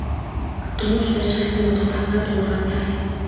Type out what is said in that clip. Дөнгөж барьж ирсэн болоод л хамраа дуугаргаад байгаа юм.